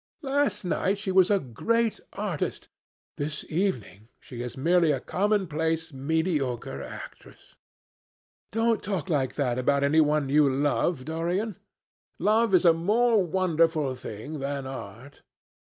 Last night she was a great artist. This evening she is merely a commonplace mediocre actress." "Don't talk like that about any one you love, Dorian. Love is a more wonderful thing than art."